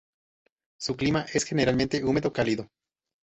Su clima es generalmente húmedo cálido.